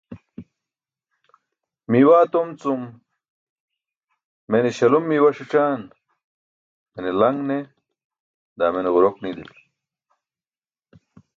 Miiwaa tom cum mene śalum miiwa sićaan, mene laṅ ne, daa mene ġurok nidili.